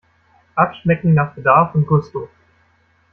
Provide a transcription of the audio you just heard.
Abschmecken nach Bedarf und Gusto!